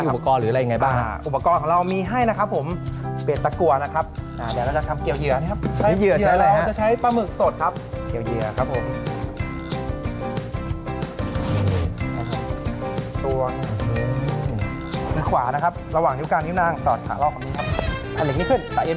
เพียบตะกัว่าแล้วก็ทำเกี่ยวเหยือครับ